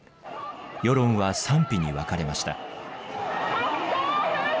世論は賛否に分かれました。